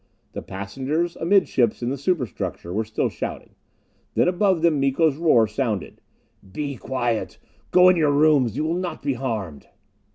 The passengers, amidships in the superstructure, were still shouting. Then above them Miko's roar sounded. "Be quiet! Go in your rooms you will not be harmed."